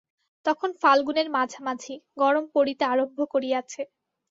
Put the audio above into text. তখন ফাল্গুনের মাঝামাঝি, গরম পড়িতে আরম্ভ করিয়াছে।